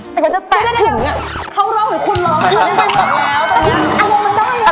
แต่ก็จะแตกถึงอ่ะเข้าร่องเหมือนคนร้องกันไปหมดแล้ว